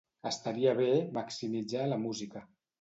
Estaria bé maximitzar la música.